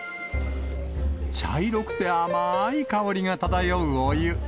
茶色くて甘い香りが漂うお湯。